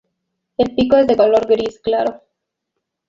El pico es de color gris claro.